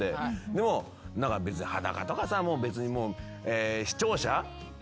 でも裸とかさ別にもう。